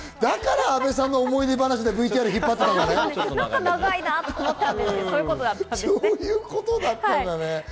だから阿部さんの思い出話のＶＴＲで引っ張ったのね。